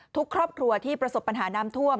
ทุกครอบครัวที่ประสบปัญหาน้ำท่วม